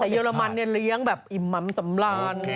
แต่เรมันเนี่ยเลี้ยงแบบอิ่มหม่ำสำราญ